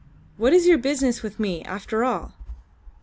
What is your business with me, after all?"